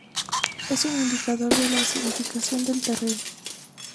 Es un indicador de la acidificación del terreno.